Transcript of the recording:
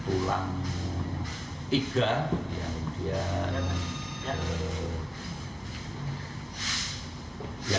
ya yang penting itu dia